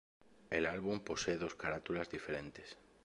El álbum posee dos carátulas diferentes.